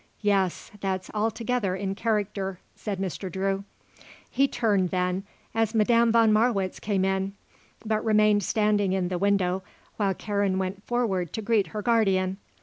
Yes, that's altogether in character," said Mr. Drew. He turned, then, as Madame von Marwitz came in, but remained standing in the window while Karen went forward to greet her guardian.